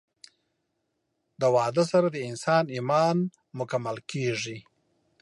د واده سره د انسان ايمان مکمل کيږي